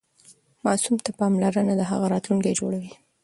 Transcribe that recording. ماسوم ته پاملرنه د هغه راتلونکی جوړوي.